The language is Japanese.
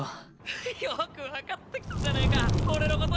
ヘヘッよく分かってきたじゃねぇか俺のこと。